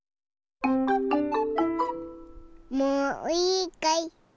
もういいかい？